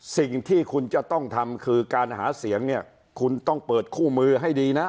สิ่งที่คุณจะต้องทำคือการหาเสียงเนี่ยคุณต้องเปิดคู่มือให้ดีนะ